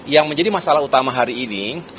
yang menjadi masalah utama hari ini